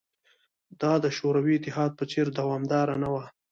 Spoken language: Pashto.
دا د شوروي اتحاد په څېر دوامداره نه وه